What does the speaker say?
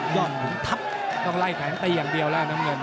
ต้องไล่แขนตีอย่างเดียวแล้วน้ำเงิน